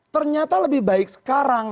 ternyata lebih baik sekarang